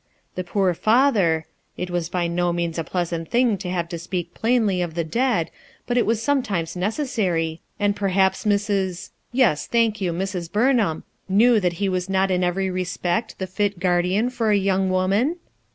The poor father —it was by no means a pleasant thing to have to speak plainly of the dead, but it was sometimes necessary, and perhaps Mrs. —yes, thank you, Mrs. Burnham, knew that he was not iu every respect the fit guardian for a young woman